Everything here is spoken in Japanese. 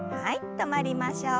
止まりましょう。